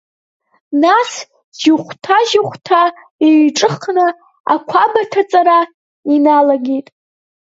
Нас, жьыхәҭа-жьыхәҭа еиҿыхны ақәаб аҭаҵара иналагеит.